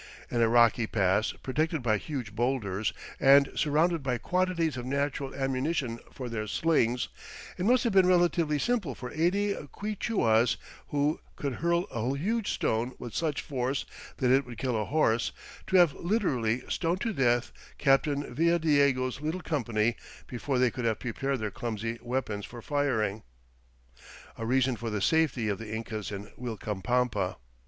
In a rocky pass, protected by huge boulders, and surrounded by quantities of natural ammunition for their slings, it must have been relatively simple for eighty Quichuas, who could "hurl a huge stone with such force that it would kill a horse," to have literally stoned to death Captain Villadiego's little company before they could have prepared their clumsy weapons for firing. FIGURE The Urubamba Canyon A reason for the safety of the Incas in Uilcapampa.